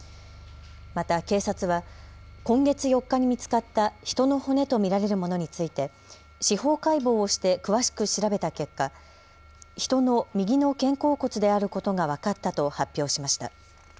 また警察は今月４日に見つかった人の骨と見られるものについて司法解剖をして詳しく調べた結果、人の右の肩甲骨であることが分かったと発表しました。